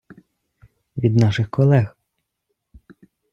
від наших колег.